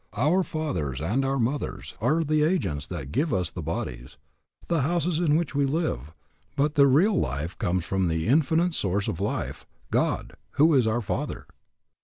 Our fathers and our mothers are the agents that give us the bodies, the houses in which we live, but the real life comes from the Infinite Source of Life, God, who is our Father.